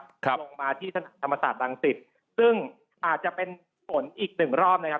ลงมาที่ธรรมศาสตรังสิตซึ่งอาจจะเป็นฝนอีกหนึ่งรอบนะครับ